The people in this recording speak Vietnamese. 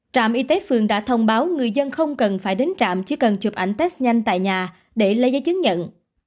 trạm y tế phường đã thông báo người dân không cần phải đến trạm chỉ cần chụp ảnh test nhanh tại nhà để lấy giấy chứng nhận